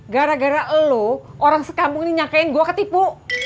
gara gara lo orang sekampung ini nyakain gue ketipu